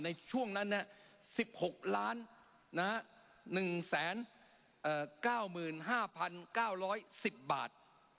ในช่วงนั้น๑๖๑๙๕๙๑๐บาท